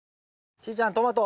しーちゃんトマト。